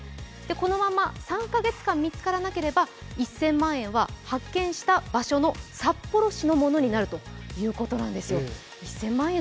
このまま３か月間、見つからなければ１０００万円は発見した場所の札幌市のものになるということなんですよ。